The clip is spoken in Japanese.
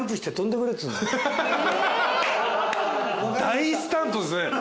大スタントですね。